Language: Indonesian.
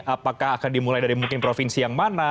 apakah akan dimulai dari mungkin provinsi yang mana